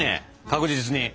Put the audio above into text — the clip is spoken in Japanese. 確実に。